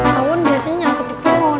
tawon biasanya nyangkut di pohon